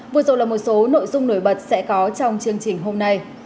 vui rộn là một số nội dung nổi bật sẽ có trong chương trình hôm nay